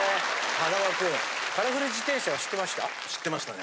はなわ君カラフル自転車は知ってました？